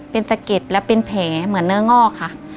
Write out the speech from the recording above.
เป็นตะเก็ดแล้วเป็นแผลเหมือนเนื้องอกค่ะ